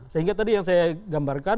sehingga tadi yang saya gambarkan